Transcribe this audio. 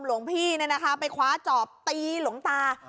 หลวงพี่นี่นะคะไปคว้าจอบตีหลวงตาอ๋อ